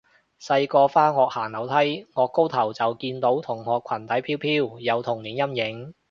細個返學行樓梯，顎高頭就見到同學裙底飄飄，有童年陰影